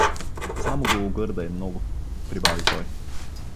— Само гологърда е много — прибави той.